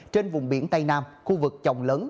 trên vùng biển tây nam khu vực trọng lấn